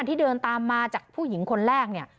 ที่เดินตามมาจากผู้หญิงคนแรกเนี่ย